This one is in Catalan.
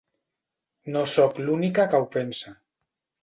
No sóc l'única que ho pensa.